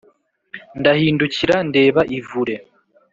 Ndahindukira ndeba ivure